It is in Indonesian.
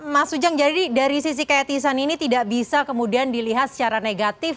mas ujang jadi dari sisi keetisan ini tidak bisa kemudian dilihat secara negatif